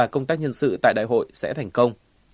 công tác nhân sự tại đại hội sẽ thành công